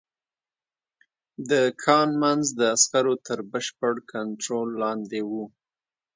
د کان منځ د عسکرو تر بشپړ کنترول لاندې و